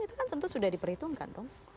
itu kan tentu sudah diperhitungkan dong